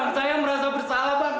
bang saya merasa bersalah bang